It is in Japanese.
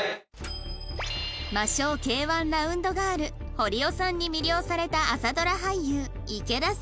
魔性 Ｋ−１ ラウンドガール堀尾さんに魅了された朝ドラ俳優池田さん